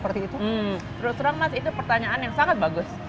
menurut saya itu pertanyaan yang sangat bagus